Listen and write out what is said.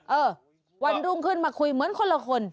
เออวันรุ่งขึ้นมาคุยเหมือนคนละคน